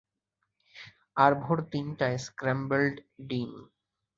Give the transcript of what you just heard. আর ভোর তিনটায় স্ক্র্যাম্বলড ডিম।